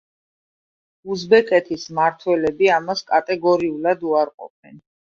უზბეკეთის მმართველები ამას კატეგორიულად უარყოფენ.